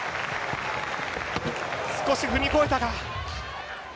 少し踏み越えたか？